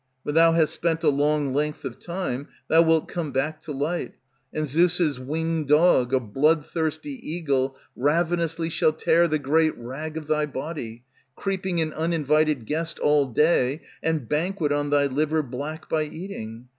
When thou hast spent a long length of time, Thou wilt come back to light; and Zeus' Winged dog, a bloodthirsty eagle, ravenously Shall tear the great rag of thy body, Creeping an uninvited guest all day, And banquet on thy liver black by eating.